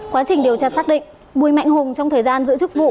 quá trình điều tra xác định bùi mạnh hùng trong thời gian giữ chức vụ